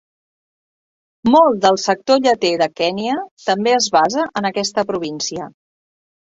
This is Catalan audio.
Molt del sector lleter de Kenya també es basa en aquesta província.